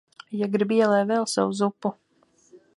Ja grib ielej vēl sev zupu!